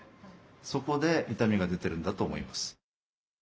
そこで痛みが出てるんだと思います。